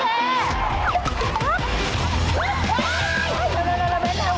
นิดเดียวนิดเดียว